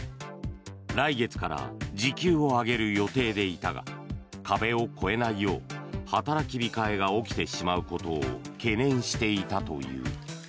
来月から時給を上げる予定でいたが壁を超えないよう働き控えが起きてしまうことを懸念していたという。